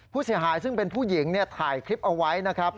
ผู้เสียหายซึ่งเป็นผู้หญิงถ่ายคลิปเอาไว้นะครับ